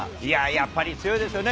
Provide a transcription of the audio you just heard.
やっぱり強いですね。